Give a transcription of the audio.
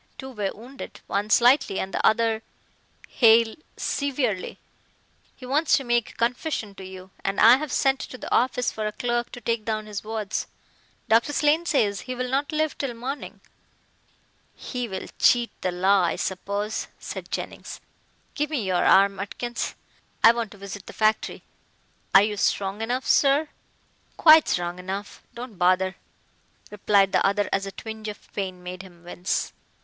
Two are wounded one slightly, and the other Hale severely. He wants to make a confession to you, and I have sent to the office for a clerk to take down his words. Dr. Slane says he will not live till morning." "He will cheat the law, I suppose," said Jennings, "give me your arm, Atkins. I want to visit the factory." "Are you strong enough, sir?" "Quite strong enough. Don't bother," replied the other as a twinge of pain made him wince.